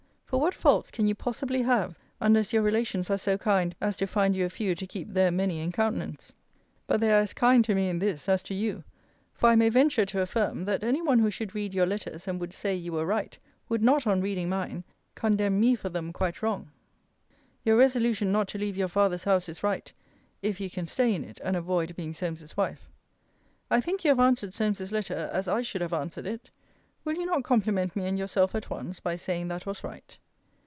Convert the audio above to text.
For what faults can you possibly have, unless your relations are so kind as to find you a few to keep their many in countenance? But they are as king to me in this, as to you; for I may venture to affirm, That any one who should read your letters, and would say you were right, would not on reading mine, condemn me for them quite wrong. Your resolution not to leave your father's house is right if you can stay in it, and avoid being Solmes's wife. I think you have answered Solmes's letter, as I should have answered it. Will you not compliment me and yourself at once, by saying, that was right?